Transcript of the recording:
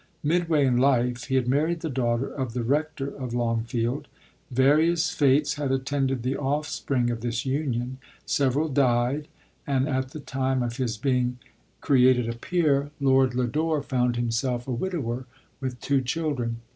Midway in life, he had married the daughter of the rector of Longfield. Various fates had at tended the offspring of this union ; several died, and at the time of his being created a peer, Lord LODolll.. 5 Lodore found himself a widower, with two chil dren.